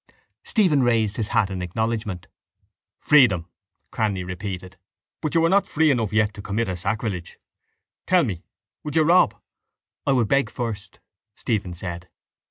Stephen raised his hat in acknowledgement. —Freedom! Cranly repeated. But you are not free enough yet to commit a sacrilege. Tell me would you rob? —I would beg first, Stephen said.